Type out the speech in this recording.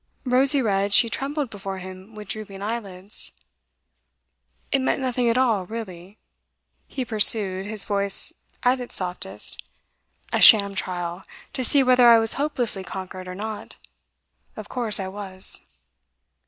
Rosy red, she trembled before him with drooping eyelids. 'It meant nothing at all, really,' he pursued, his voice at its softest. 'A sham trial to see whether I was hopelessly conquered or not. Of course I was.